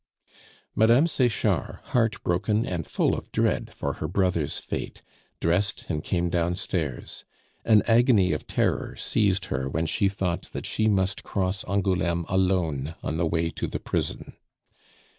Mme. Sechard, heartbroken and full of dread for her brother's fate, dressed and came downstairs. An agony of terror seized her when she thought that she must cross Angouleme alone on the way to the prison.